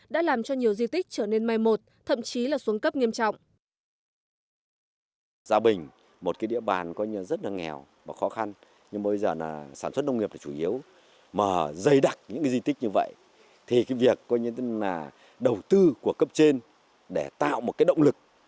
đã làm cho nhiều di tích trở nên mai một thậm chí là xuống cấp nghiêm trọng